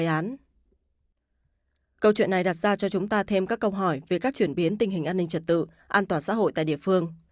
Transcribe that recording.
câu chuyện này đặt ra cho chúng ta thêm các câu hỏi về các chuyển biến tình hình an ninh trật tự an toàn xã hội tại địa phương